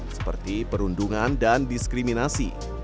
seperti perundungan dan diskriminasi